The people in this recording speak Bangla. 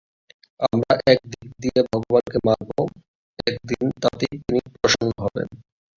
আমরা এক দিক দিয়ে ভগবানকে মারব, একদিন তাতেই তিনি প্রসন্ন হবেন।